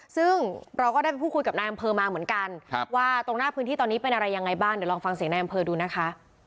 ซึ่งเราก็ได้ไปพูดคุยกับนายอำเภอมาเหมือนกันว่าตรงหน้าพื้นที่ตอนนี้เป็นอะไรยังไงบ้างเดี๋ยวลองฟังเสียงนายอำเภอดูนะคะ